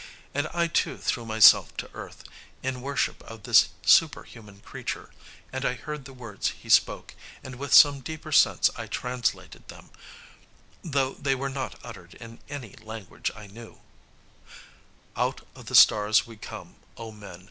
And I too threw myself to earth, in worship of this superhuman creature; and I heard the words he spoke, and with some deeper sense I translated them, though they were not uttered in any language I knew: "Out of the stars we come, O men!